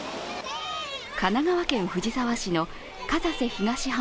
神奈川県藤沢市の片瀬東浜